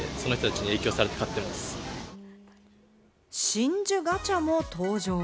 真珠ガチャも登場。